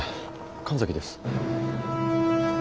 神崎です。